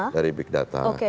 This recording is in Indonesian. dari big data